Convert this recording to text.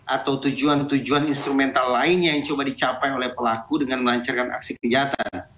atau tujuan tujuan instrumental lainnya yang coba dicapai oleh pelaku dengan melancarkan aksi kejahatan